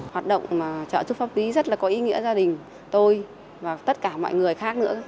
hoạt động trợ giúp pháp lý rất là có ý nghĩa gia đình tôi và tất cả mọi người khác nữa